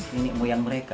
nenek moyang mereka